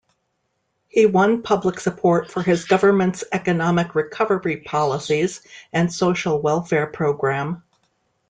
He won public support for his government's economic recovery policies and social welfare programme.